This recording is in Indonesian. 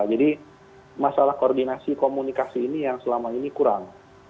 jadi masalah koordinasi komunikasi ini yang selama ini kurang